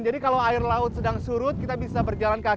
jadi kalau air laut sedang surut kita bisa berjalan ke sana